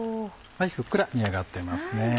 ふっくら煮上がってますね。